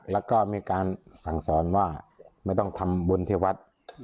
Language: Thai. แล้วก็มีการสั่งสอนว่าไม่ต้องทำบุญที่วัด